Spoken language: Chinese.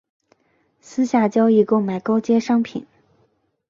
私下交易购买高阶商品